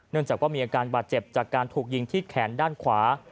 จากว่ามีอาการบาดเจ็บจากการถูกยิงที่แขนด้านขวา